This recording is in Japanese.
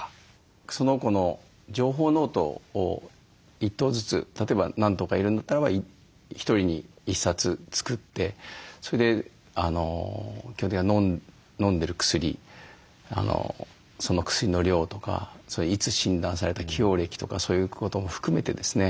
その子の情報ノートを１頭ずつ例えば何頭かいるんだったらば１人に１冊作ってそれで基本的にはのんでる薬その薬の量とかいつ診断された既往歴とかそういうことも含めてですね